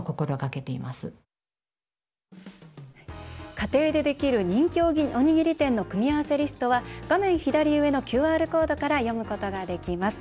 家庭でできる人気おにぎり店の組み合わせリストは画面左上のＱＲコードから読むことができます。